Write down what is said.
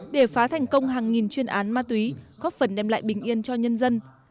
để phá thành công hàng nghìn chuyên án ma túy góp phần đem lại bình yên cho nhân dân